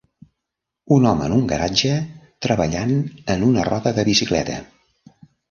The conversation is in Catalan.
Un home en un garatge treballant en una roda de bicicleta